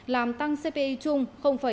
làm tăng cpi chung hai mươi năm